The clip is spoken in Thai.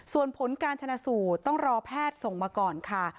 ส่วนผลการชนะสูตรต้องรอแพทย์ส่งมาก่อนค่ะ